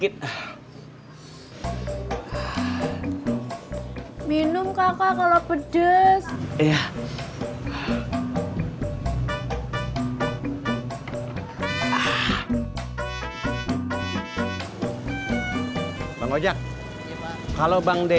enggak glassnya intro aja aja deh